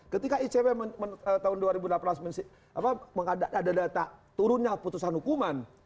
ketika icw tahun dua ribu delapan belas ada data turunnya putusan hukuman